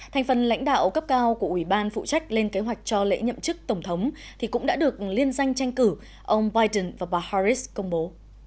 thành phần lãnh đạo cấp cao của ủy ban phụ trách lên kế hoạch cho lễ nhậm chức tổng thống thì cũng đã được liên danh tranh cử ông biden và bà harris công bố